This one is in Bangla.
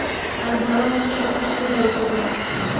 আর ভাল-মন্দ সব-কিছুরই দায়িত্ব তোমার।